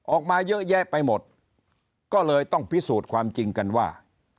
ออกมาเยอะแยะไปหมดก็เลยต้องพิสูจน์ความจริงกันว่า